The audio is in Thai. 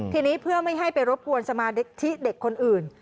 ทีนี้เพื่อไม่ให้ไปรบกวนสมาธิเด็กคนอื่น